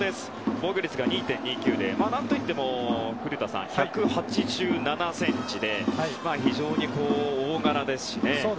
防御率が２．２９で何といっても、古田さん１８７ｃｍで非常に大柄ですし。